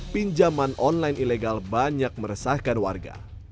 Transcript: pinjaman online ilegal banyak meresahkan warga